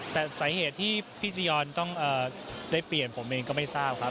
แต่สาเหตุที่พี่จียอนต้องได้เปลี่ยนผมเองก็ไม่ทราบครับ